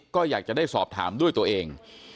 ก็อยากจะได้สอบถามด้วยตัวเอง